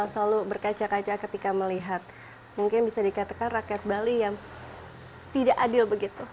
selalu berkaca kaca ketika melihat mungkin bisa dikatakan rakyat bali yang tidak adil begitu